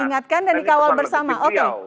ingatkan dan dikawal bersama oke